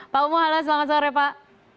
pak umu halo selamat sore pak